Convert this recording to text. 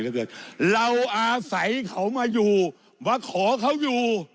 เราอาศัยเขามาอยู่มาขอเขาอยู่